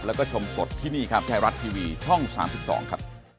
แล้วก็ชมสดที่นี่ครับไทยรัฐทีวีช่อง๓๒ครับ